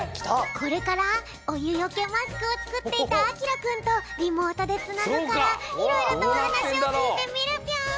これからおゆよけマスクをつくっていたあきらくんとリモートでつなぐからいろいろとおはなしをきいてみるぴょん！